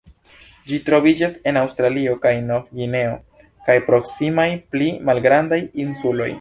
Ĝi troviĝas en Aŭstralio kaj Novgvineo kaj proksimaj pli malgrandaj insuloj.